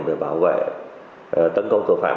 để bảo vệ tấn công tội phạm